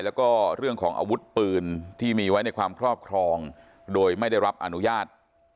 แล้วก็เรื่องของอาวุธปืนที่มีไว้ในความครอบครองโดยไม่ได้รับอนุญาต